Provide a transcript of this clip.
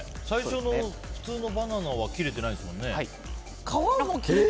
最初の普通のバナナは切れてないんですもんね。